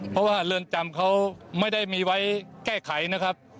เพราะว่าเรือนจำเขาไม่ได้มีไว้แก้ไขนะครับ